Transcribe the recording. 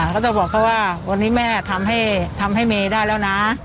ก็จะบอกเขาว่าวันนี้แม่ทำให้เมย์ได้แล้วนะ